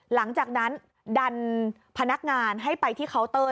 หลังจากนั้นดันพนักงานให้ไปที่เคาน์เตอร์